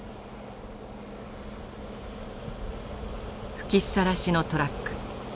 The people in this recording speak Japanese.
吹きさらしのトラック。